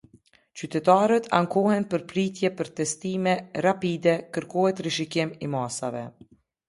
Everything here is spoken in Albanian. Qytetarët ankohen për pritje për testime rapide, kërkohet rishikim i masave.